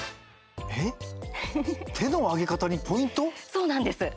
そうなんです。